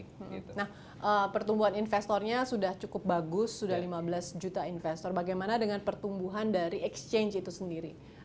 nah pertumbuhan investornya sudah cukup bagus sudah lima belas juta investor bagaimana dengan pertumbuhan dari exchange itu sendiri